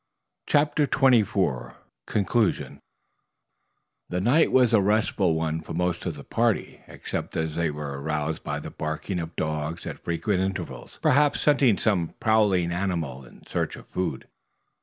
CHAPTER XXIV CONCLUSION The night was a restful one to most of the party, except as they were aroused by the barking of the dogs at frequent intervals, perhaps scenting some prowling animal in search of food.